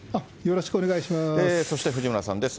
そして藤村さんです。